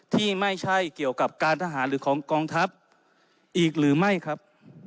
ที่ไม่ใช่เกี่ยวกับการทหารหรือของกองทัพอีกหรือไม่ครับ